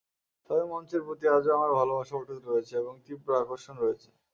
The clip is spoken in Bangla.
তবে মঞ্চের প্রতি আজও আমার ভালোবাসা অটুট রয়েছে এবং তীব্র আকর্ষণ রয়েছে।